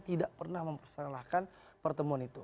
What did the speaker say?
tidak pernah mempersalahkan pertemuan itu